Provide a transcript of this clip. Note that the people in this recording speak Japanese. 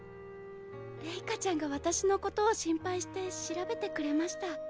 レイカちゃんが私のことを心配して調べてくれました。